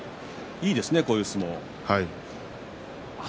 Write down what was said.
いいですね、こういう相撲。